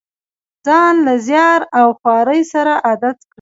ځان له زیار او خوارۍ سره عادت کړي.